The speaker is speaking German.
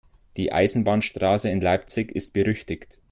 Die Eisenbahnstraße in Leipzig ist berüchtigt.